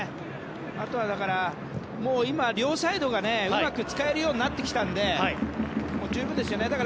あとは、今両サイドを、うまく使えるようになってきたので十分ですよね。